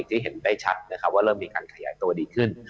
ที่เห็นได้ชัดว่าเริ่มมีการขยายตัวดีขึ้น